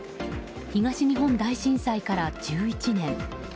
東日本大震災から１１年。